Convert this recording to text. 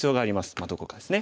まあどこかですね。